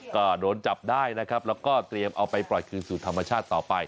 ก็โดนจับได้นะครับแล้วก็เตรียมเอาไปปล่อยคืนสู่ธรรมชาติต่อไป